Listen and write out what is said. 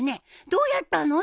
どうやったの？